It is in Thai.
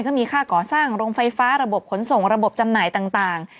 ก็มีค่าก่อสร้างโรงไฟฟ้าระบบขนส่งระบบจำหน่ายต่าง